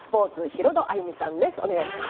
ヒロド歩美さんです。